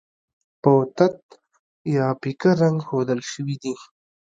په تت یا پیکه رنګ ښودل شوي دي.